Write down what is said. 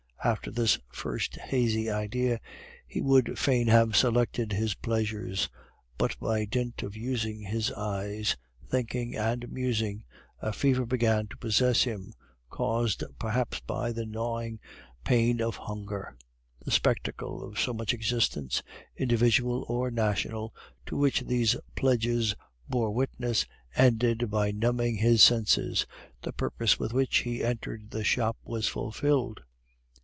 After this first hazy idea he would fain have selected his pleasures; but by dint of using his eyes, thinking and musing, a fever began to possess him, caused perhaps by the gnawing pain of hunger. The spectacle of so much existence, individual or national, to which these pledges bore witness, ended by numbing his senses the purpose with which he entered the shop was fulfilled.